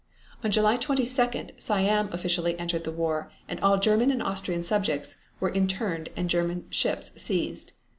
On July 22d Siam officially entered the war and all German and Austrian subjects were interned and German ships seized.